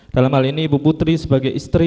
dalam hal ini ibu putri sebagai istri